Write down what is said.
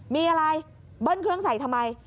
มีอะไรเบิ้ลเครื่องใส่ทำไม